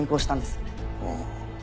ああ。